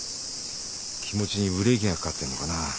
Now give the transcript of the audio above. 気持ちにブレーキがかかってるのかな。